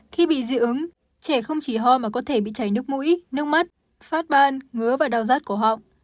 khi bị dị ứng trẻ không chỉ ho mà có thể bị chảy nước mũi nước mắt phát ban ngứa và đau rát của họ